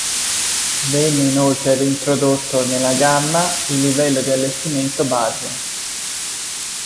Venne inoltre reintrodotto nella gamma il livello di allestimento "base".